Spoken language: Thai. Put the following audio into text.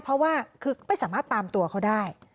เพราะว่าคือไม่สามารถตามตัวเขาได้